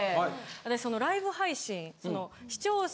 私そのライブ配信。